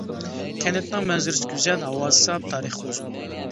كەنتنىڭ مەنزىرىسى گۈزەل، ھاۋاسى ساپ، تارىخى ئۇزۇن.